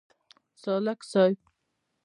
سالک صیب.